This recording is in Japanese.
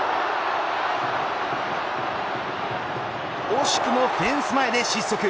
惜しくもフェンス前で失速。